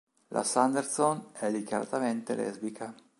La Sanderson è dichiaratamente lesbica.